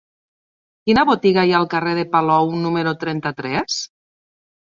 Quina botiga hi ha al carrer de Palou número trenta-tres?